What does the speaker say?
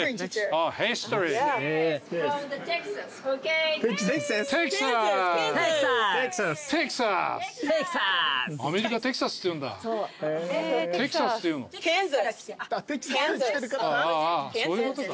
あぁそういうことか。